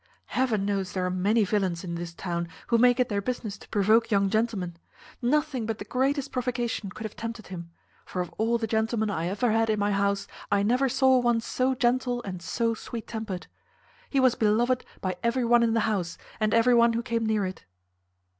Heaven knows there are many villains in this town who make it their business to provoke young gentlemen. Nothing but the greatest provocation could have tempted him; for of all the gentlemen I ever had in my house, I never saw one so gentle or so sweet tempered. He was beloved by every one in the house, and every one who came near it."